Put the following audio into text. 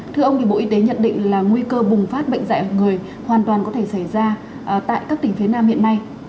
thưa ông thì bộ y tế nhận định là nguy cơ bùng phát bệnh dạy vào người hoàn toàn có thể xảy ra tại các tỉnh phía nam hiện nay